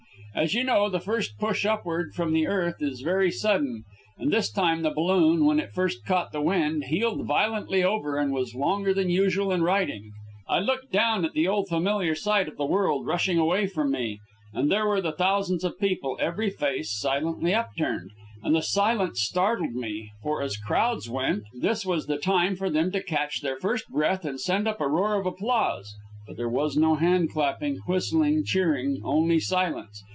As you know, the first rush upward from the earth is very sudden, and this time the balloon, when it first caught the wind, heeled violently over and was longer than usual in righting. I looked down at the old familiar sight of the world rushing away from me. And there were the thousands of people, every face silently upturned. And the silence startled me, for, as crowds went, this was the time for them to catch their first breath and send up a roar of applause. But there was no hand clapping, whistling, cheering only silence.